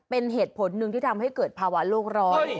เป็นเหตุผลหนึ่งที่ทำให้เกิดภาวะโลกร้อน